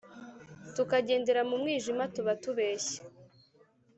tukagendera mu mwijima, tuba tubeshye,